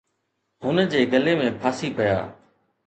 هن جي ڳلي ۾ ڦاسي پيا.